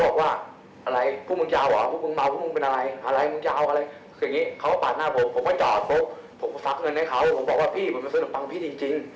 ผมบอกว่าพี่ผมไม่ซื้อหน้าปังพี่จริง